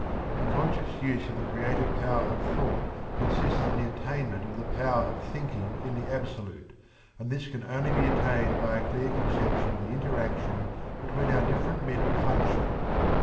The conscious use of the creative power of thought consists in the attainment of the power of Thinking in the Absolute, and this can only be attained by a clear conception of the interaction between our different mental functions.